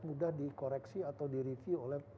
mudah dikoreksi atau di review oleh